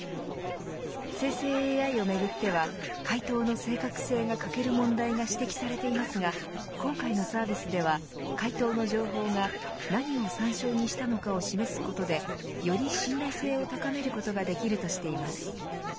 生成ＡＩをめぐっては回答の正確性が欠ける問題が指摘されていますが今回のサービスでは回答の情報が何を参照にしたのかを示すことでより信頼性を高めることができるとしています。